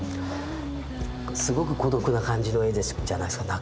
すごく孤独な感じの絵じゃないですか